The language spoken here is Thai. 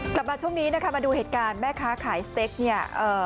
กลับมาช่วงนี้นะคะมาดูเหตุการณ์แม่ค้าขายสเต็กเนี่ยเอ่อ